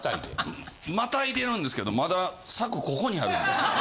またいでるんですけどまだ柵ここにある。